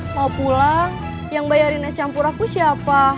mau pulang yang bayarin es campur aku siapa